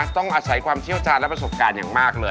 ต้องอาศัยความเชี่ยวชาญและประสบการณ์อย่างมากเลย